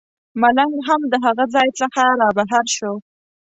ملنګ هم د هغه ځای څخه رابهر شو.